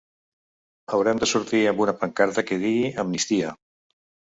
Haurem de sortir amb una pancarta que digui “amnistia”.